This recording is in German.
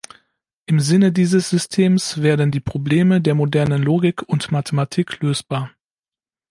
Im Sinne dieses Systems werden die Probleme der modernen Logik und Mathematik lösbar.